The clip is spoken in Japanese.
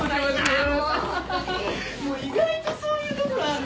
もう意外とそういうところある。